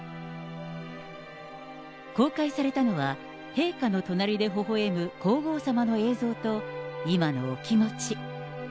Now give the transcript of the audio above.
公開されたのは、陛下の隣でほほえむ皇后さまの映像と、今のお気持ち。